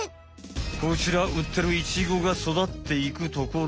こちらうってるイチゴが育っていくところ。